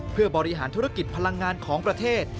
เพื่อบริหารธุรกิจพลังงานของประเทศ